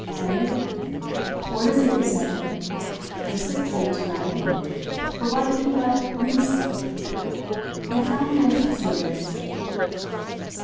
"Eh? What is it you say? No sleep for you tonight? But why can't you let me sleep? Confound your fussiness!"